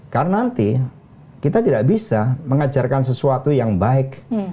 karena nanti kita tidak bisa mengajarkan sesuatu yang baik